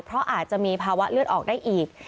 เพราะอาจจะมีภาวะเลือดออกได้อีก